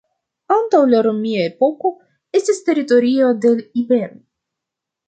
Antaŭ la romia epoko estis teritorio de iberoj.